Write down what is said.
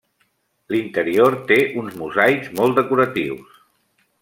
L'interior té uns mosaics molt decoratius.